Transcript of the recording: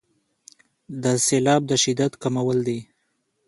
د سیلاب د شدت کمول دي.